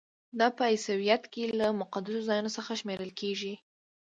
دا په عیسویت کې یو له مقدسو ځایونو څخه شمیرل کیږي.